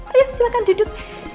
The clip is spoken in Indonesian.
ayo silahkan duduk